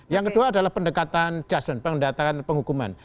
yang kedua adalah pendekatan jasen pendekatan penghukuman